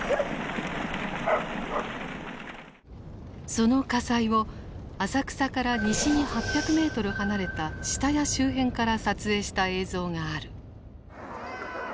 その火災を浅草から西に８００ｍ離れた下谷周辺から撮影した映像がある。